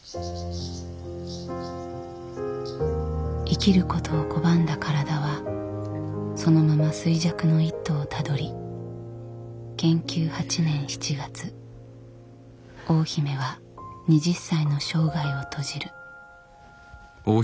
生きることを拒んだ体はそのまま衰弱の一途をたどり建久８年７月大姫は２０歳の生涯を閉じる。